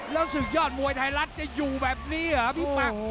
แล้วศึกยอดมวยไทยรัฐจะอยู่แบบนี้เหรอพี่ปัง